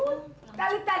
ayah bawa cewek ke kamar